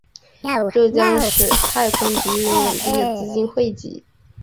这将使太空局拥有稳定的资金汇集。